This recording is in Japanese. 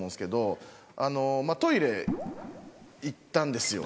トイレ行ったんですよ。